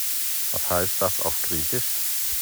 Was heißt das auf Griechisch?